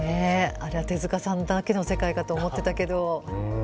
あれは手さんだけの世界かと思ってたけど。